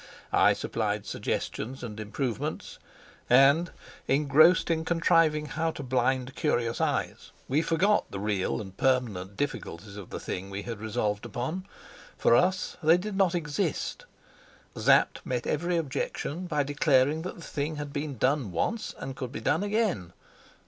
I supplied suggestions and improvements; and, engrossed in contriving how to blind curious eyes, we forgot the real and permanent difficulties of the thing we had resolved upon. For us they did not exist; Sapt met every objection by declaring that the thing had been done once and could be done again.